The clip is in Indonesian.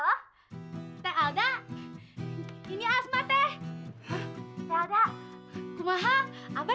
saya sekarang kan asma udah sama mas kevin